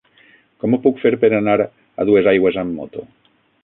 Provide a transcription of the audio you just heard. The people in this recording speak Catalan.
Com ho puc fer per anar a Duesaigües amb moto?